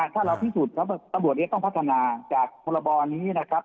ถ้าเราพิสูจน์ตำรวจเองต้องพัฒนาจากพรบนี้นะครับ